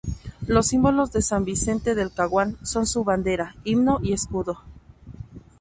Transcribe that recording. Los símbolos de San Vicente del Caguán son su bandera, himno y escudo.